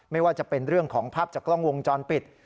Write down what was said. ไม่ว่าจะเป็นเรื่องของภาพจากกล้องวงจรปิด